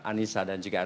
anissa dan jokowi